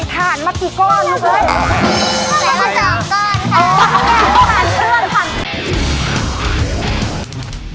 อ๋อถ่านเพื่อนค่ะ